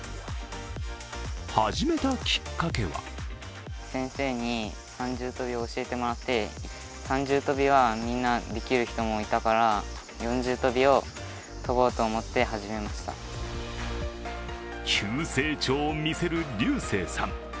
始めたきっかけは急成長を見せるリュウセイさん。